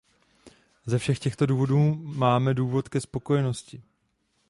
Ze všech těchto důvodů máme důvod ke spokojenosti.